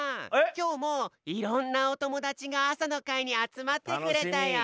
きょうもいろんなお友達が朝の会にあつまってくれたよ。